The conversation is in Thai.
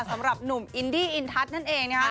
สำหรับหนุ่มอินดี้อินทัศน์นั่นเองนะครับ